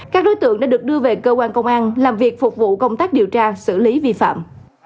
các đối tượng đã được đưa về cơ quan công an làm việc phục vụ công tác điều tra xử lý vi phạm